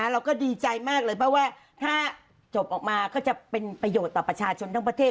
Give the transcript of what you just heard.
เราก็ดีใจมากเลยเพราะว่าถ้าจบออกมาก็จะเป็นประโยชน์ต่อประชาชนทั้งประเทศ